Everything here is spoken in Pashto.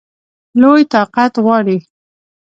لوی طاقت غواړي.